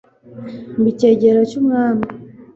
mba icyegera cyumwami